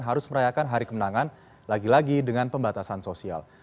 harus merayakan hari kemenangan lagi lagi dengan pembatasan sosial